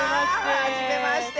はじめまして。